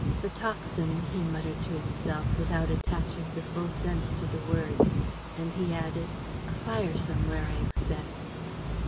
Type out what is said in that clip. "The tocsin," he muttered to himself, without attaching the full sense to the word. And he added: "A fire somewhere, I expect."